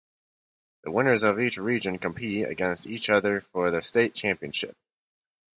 The winners of each region compete against each other for the state championship.